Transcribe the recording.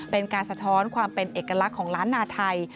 สะท้อนความเป็นเอกลักษณ์ของล้านนาไทย